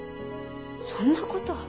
そんなことは。